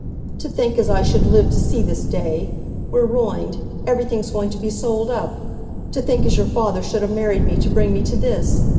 "To think as I should live to see this day! We're ruined—everything's going to be sold up—to think as your father should ha' married me to bring me to this!